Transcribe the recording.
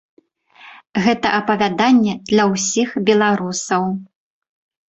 Гэта апавяданне для ўсіх беларусаў.